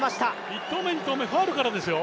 １投目、２投目ファウルからですよ。